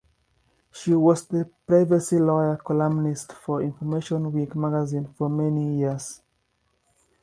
She was "the Privacy Lawyer" columnist for Information Week Magazine for many years.